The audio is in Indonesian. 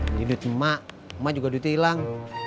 ini duitnya emak emak juga duitnya hilang